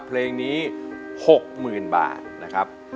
เพลงนี้หกหมื่นบาทนะครับ